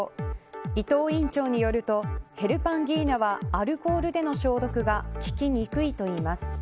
伊藤院長によるとヘルパンギーナはアルコールでの消毒が効きにくいといいます。